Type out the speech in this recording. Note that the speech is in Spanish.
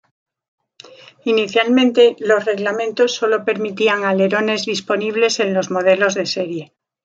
Inicialmente, los reglamentos sólo permitían alerones disponibles en los modelos de serie.